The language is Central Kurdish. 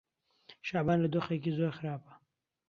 شەعبان لە دۆخێکی زۆر خراپە.